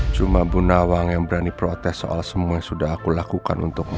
cuma bunawang yang berani protes soal semua yang sudah aku lakukan untukmu